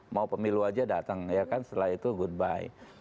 mau pemilu aja datang ya kan setelah itu goodby